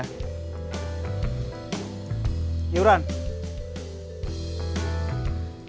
lebih baik gak evan sih